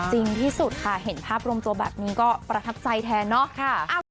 จริงที่สุดค่ะเห็นภาพรวมตัวแบบนี้ก็ประทับใจแทนเนอะ